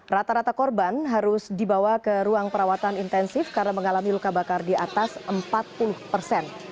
rata rata korban harus dibawa ke ruang perawatan intensif karena mengalami luka bakar di atas empat puluh persen